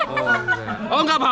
enggak enggak apa apa